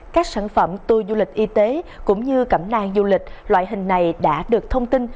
các sản phẩm tour du lịch y tế cũng như cẩm nang du lịch loại hình này đã được thông tin